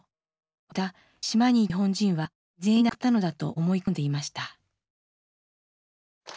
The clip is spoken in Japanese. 私は島にいた日本人は全員亡くなったのだと思い込んでいました。